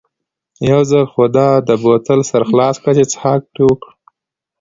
یو ځل خو دا د بوتل سر خلاص کړه چې څښاک پرې وکړو.